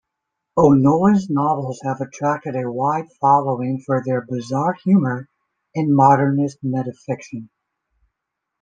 O'Nolan's novels have attracted a wide following for their bizarre humour and modernist metafiction.